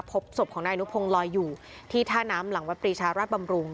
พบศพของนายอนุพงศ์ลอยอยู่ที่ท่าน้ำหลังวัดปรีชาราชบำรุง